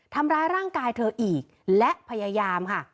ทำร้ายร่างกายเธออีกและพยายามค่ะ